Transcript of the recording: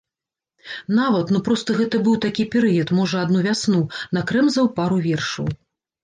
Нават, ну, проста гэта быў такі перыяд, можа, адну вясну, накрэмзаў пару вершаў.